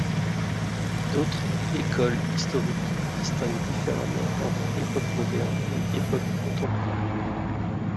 D'autres écoles historiques distinguent différemment entre Époque moderne et Époque contemporaine.